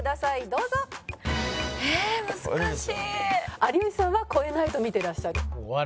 有吉さんは超えないと見てらっしゃる。